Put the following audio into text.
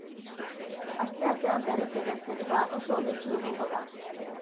Asteartean berriz ere zerua oso hodeitsu egongo da.